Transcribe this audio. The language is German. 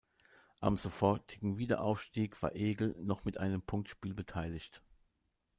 Am sofortigen Wiederaufstieg war Egel noch mit einem Punktspiel beteiligt.